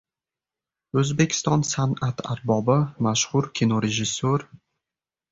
O‘zbekiston san’at arbobi, mashhur kinorejissyor.